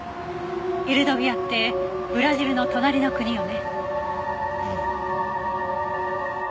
エルドビアってブラジルの隣の国よね？